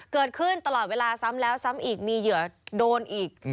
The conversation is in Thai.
ตลอดเวลาซ้ำแล้วซ้ำอีกมีเหยื่อโดนอีก